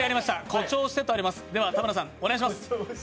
誇張してとあります。